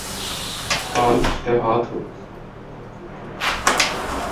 اقبال اجتہاد کو اصول حرکت کے طور پر دیکھتے ہیں۔